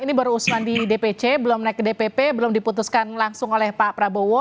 ini baru usulan di dpc belum naik ke dpp belum diputuskan langsung oleh pak prabowo